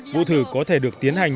vụ thử có thể được tiến hành